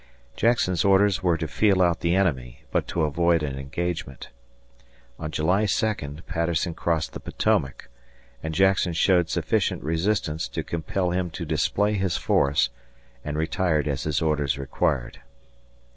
Jackson's orders were to feel out the enemy, but to avoid an engagement. On July 2 Patterson crossed the Potomac, and Jackson showed sufficient resistance to compel him to display his force and retired as his orders required.